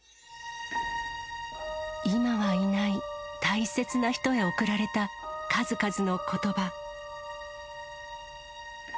今はいない大切な人へ送られた、数々のことば。